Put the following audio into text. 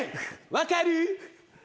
分かる？